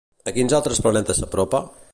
A quins altres planetes s'apropa?